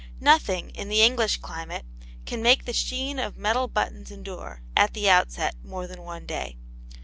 Nothing, in the English climate, can make the sheen of metal buttons endure, at the outside, more than one day.